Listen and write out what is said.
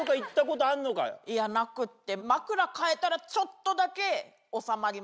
いやなくって。